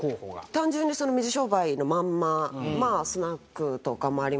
単純にその水商売のまんままあスナックとかもありましたし。